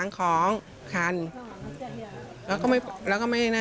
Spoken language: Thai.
อักษัตริย์อ่ะ